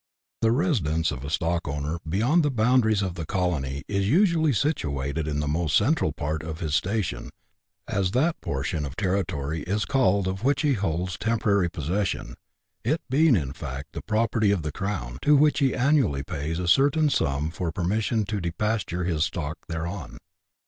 The residence of astockownerbeyond the boundaries of the colony is usually situated in the most central part of his '' station," as that portion of territory is called of which he holds the tem porary possession, it being in fact the property of the crown, to which he annually pays a certain sum for permission to depasture his stock thereon.